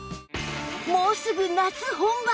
もうすぐ夏本番